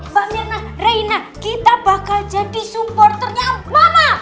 mbak mirna reina kita bakal jadi supporternya mama